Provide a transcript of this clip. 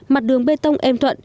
mặt đường bê tông êm thuận